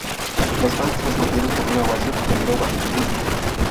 Los fans respondieron con una ovación que duró varios minutos.